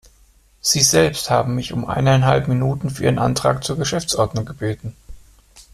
Sie selbst haben mich um eineinhalb Minuten für Ihren Antrag zur Geschäftsordnung gebeten.